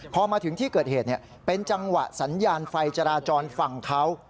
พอมาถึงที่เกิดเหตุเป็นจังหวะสัญญาณไฟจราจรฝั่งเขา